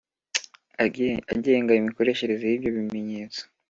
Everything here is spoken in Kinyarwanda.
agenga imikoreshereze y ibyo bimenyetso